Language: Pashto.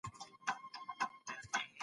باطل هیڅکله تلپاته سرلوړي نه لري.